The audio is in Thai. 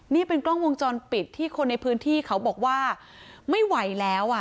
นี่เป็นกล้องวงจรปิดที่คนในพื้นที่เขาบอกว่าไม่ไหวแล้วอ่ะ